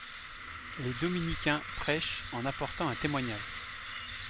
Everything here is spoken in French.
Les dominicains prêchent en apportant un témoignage.